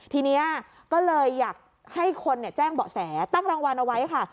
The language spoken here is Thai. ทีนี้ก็เลยอยากให้คนแจ้งเบาะแสตั้งรางวัลเอาไว้ค่ะ